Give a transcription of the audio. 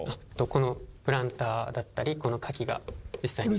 このプランターだったりこの花器が実際に。